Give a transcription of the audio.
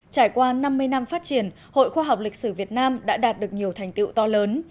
trải qua năm mươi năm phát triển hội khoa học lịch sử việt nam đã đạt được nhiều thành tiệu to lớn